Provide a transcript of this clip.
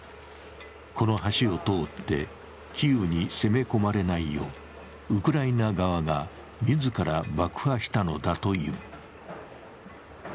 この橋を通ってキーウに攻め込まれないようウクライナ側が自ら爆破したのだという。